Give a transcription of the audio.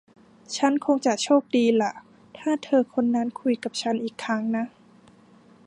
ฉันคงจะโชคดีล่ะ ถ้าเธอคนนั้นคุยกับฉันอีกครั้งน่ะ